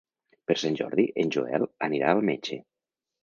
Per Sant Jordi en Joel anirà al metge.